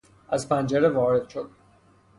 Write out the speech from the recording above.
از پنجره وارد شد.